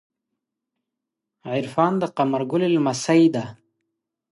عرفان د قمر ګلی لمسۍ ده.